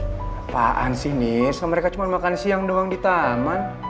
apaan sih nis kalau mereka cuma makan siang doang di taman